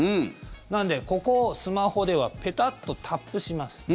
なので、ここをスマホではペタッとタップします。